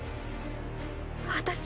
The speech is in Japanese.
私。